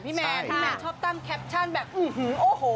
แมนพี่แมนชอบตั้งแคปชั่นแบบอื้อหือโอ้โห